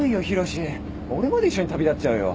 俺まで一緒に旅立っちゃうよ。